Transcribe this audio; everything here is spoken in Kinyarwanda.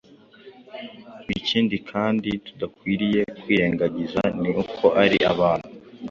Ikindi kandi tudakwiriye kwirengagiza ni uko ari abantu,